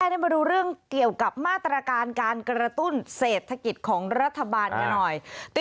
ได้มาดูเรื่องเกี่ยวกับมาตรการการกระตุ้นเศรษฐกิจของรัฐบาลกันหน่อย